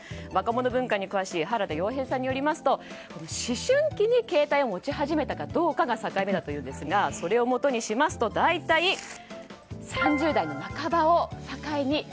若者文化に詳しい原田曜平さんによりますと思春期に携帯を持ち始めたかどうかが境目だというんですがそれをもとにしますと大体３０代半ばを境に。